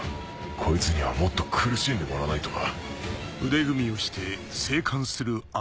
こいつにはもっと苦しんでもらわないとな。